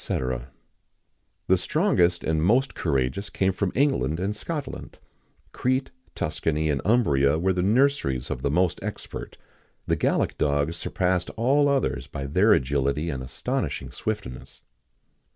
[XIX 20] The strongest and most courageous came from England and Scotland;[XIX 21] Crete, Tuscany, and Umbria were the nurseries of the most expert.[XIX 22] The Gallic dogs surpassed all others by their agility and astonishing swiftness.